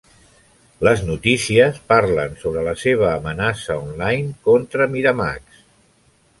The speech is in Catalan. Les notícies parlen sobre la seva amenaça online contra Miramax.